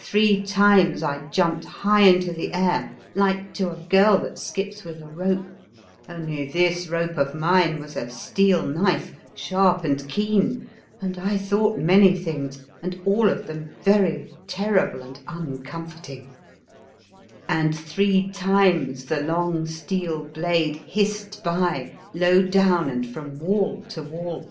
Three times I jumped high in to the air, like to a girl that skips with a rope, only this rope of mine was a steel knife, sharp and keen, and I thought many things, and all of them very terrible and uncomforting; and three times the long steel blade hissed 3* The Fearsome Island by, low down and from wall to wall.